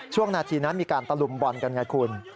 ช่วงนาทีนั้นมีการตะลุมบอลกันไงคุณ